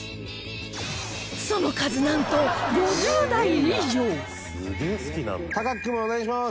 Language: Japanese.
その数なんと隆貴君お願いします！